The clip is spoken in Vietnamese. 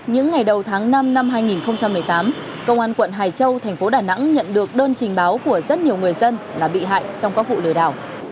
những ngày đầu tháng năm năm hai nghìn một mươi tám công an quận hải châu thành phố đà nẵng nhận được đơn trình báo của rất nhiều người dân là bị hại trong các vụ lừa đảo